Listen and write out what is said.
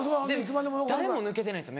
誰も抜けてないんですよ